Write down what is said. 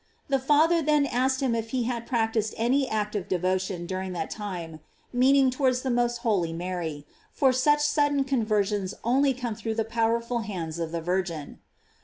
The Father then asked him if he had practised any act of devotion during that time; meaning tow ards the most holy Mary ; for such sudden con versions only come through the powerful hands of the Virgin.